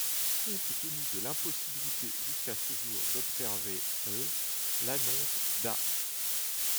Compte tenu de l'impossibilité jusqu'à ce jour d'observer l', l'annonce d'A.